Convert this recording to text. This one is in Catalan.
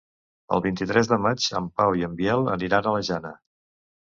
El vint-i-tres de maig en Pau i en Biel aniran a la Jana.